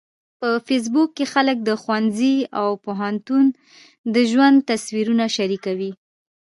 په فېسبوک کې خلک د ښوونځي او پوهنتون د ژوند تصویرونه شریکوي